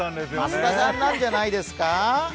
増田さんなんじゃないですか？